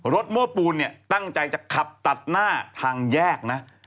รถโม้ปูนตั้งใจจะขับตัดหน้าทางแยกนะ